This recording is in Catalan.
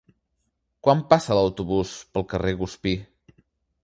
Quan passa l'autobús pel carrer Guspí?